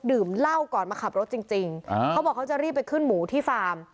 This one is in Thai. ดื่มเหล้าก่อนมาขับรถจริงจริงเขาบอกเขาจะรีบไปขึ้นหมูที่ฟาร์ม